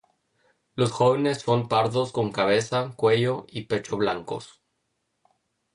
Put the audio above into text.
Los jóvenes son pardos con cabeza, cuello y pecho blancos.